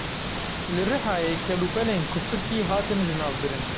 Li Rihayê kelûpelên kufikî hatin jinavbirin.